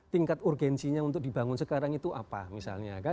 tingkat urgensinya untuk dibangun sekarang itu apa misalnya kan